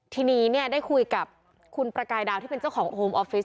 ทีนี้เนี่ยได้คุยกับคุณประกายดาวที่เป็นเจ้าของโฮมออฟฟิศ